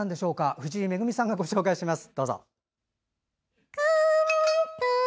藤井恵さんがご紹介します。